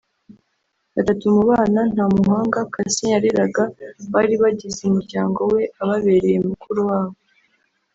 Batatu mu bana Ntamuhanga Cassien yareraga bari bagize umuryango we ababereye mukuru wabo